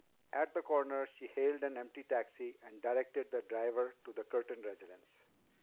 At the corner she hailed an empty taxi and directed the driver to the Curtin residence.